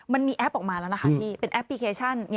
แอปออกมาแล้วนะคะพี่เป็นแอปพลิเคชัน